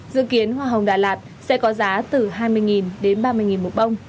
dự kiến hoa hồng đà lạt sẽ có giá từ hai mươi đến ba mươi một bông